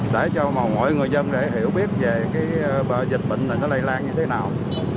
để cho mọi người dân hiểu biết về dịch bệnh này nó lây lan như thế nào